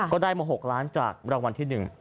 ก็ได้มา๖ล้านจากรางวัลที่๑